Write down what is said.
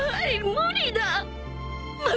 無理だ！